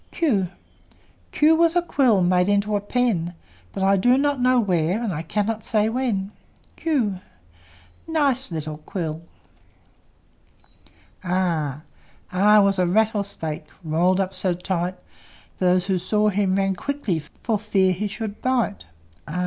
Q Q was a quill Made into a pen; But I do not know where, And I cannot say when. q! Nice little quill! R R was a rattlesnake, Rolled up so tight, Those who saw him ran quickly, For fear he should bite. r!